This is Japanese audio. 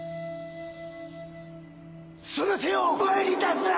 その手を前に出すな！